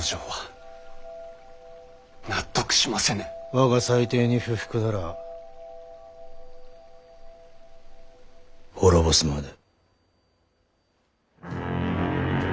我が裁定に不服なら滅ぼすまで。